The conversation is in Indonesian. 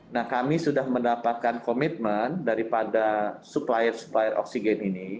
nah kami sudah mendapatkan komitmen daripada supplier supplier oksigen ini